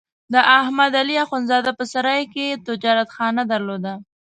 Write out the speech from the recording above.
د احمد علي اخوندزاده په سرای کې تجارتخانه درلوده.